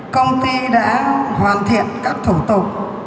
công ty đã hoàn thiện các thủ tục